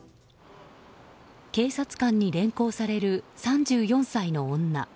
警察官に連行される３４歳の女。